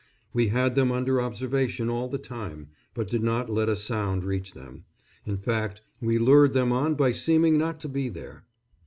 We had them under observation all the time, but did not let a sound reach them; in fact, we lured them on by seeming not to be there.